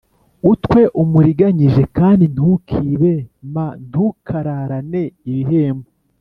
utwe umuriganyije kandi ntukibe m Ntukararane ibihembo